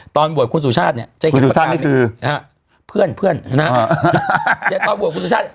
ตอนโหวตคุณสุชาติเนี่ยจะเห็นปากกาเมจิกเพื่อนนะฮะตอนโหวตคุณสุชาติ